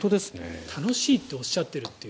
楽しいとおっしゃっていると。